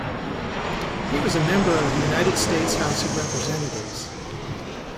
He was a member of the United States House of Representatives.